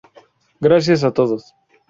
Gracias a todos!